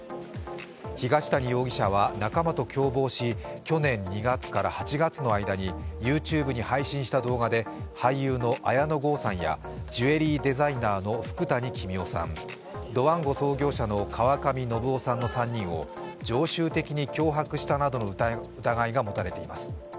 東谷容疑者は仲間と共謀し去年２月から８月の間にＹｏｕＴｕｂｅに配信した動画で俳優の綾野剛さんやジュエリーデザイナーの福谷公男さん、ドワンゴ創業者の川上量生さんの３人を常習的に脅迫したなどの疑いが持たれています。